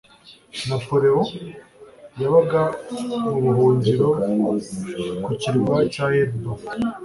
Napoleon yabaga mu buhungiro ku kirwa cya Elba.